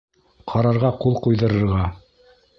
Ҡарарға ҡул ҡуйҙырырға.